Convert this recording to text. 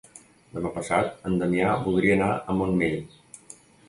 Demà passat en Damià voldria anar al Montmell.